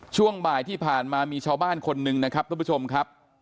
ช่วงบ่ายที่ผ่านมามีชาวบ้านคนหนึ่งนะครับทุกผู้ชมครับ